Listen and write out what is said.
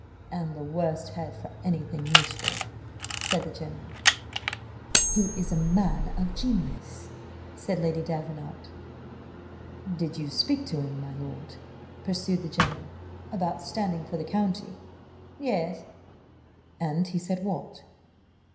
"And the worst head for any thing useful," said the general. "He is a man of genius," said Lady Davenant. "Did you speak to him, my lord," pursued the general, "about standing for the county?" "Yes." "And he said what?"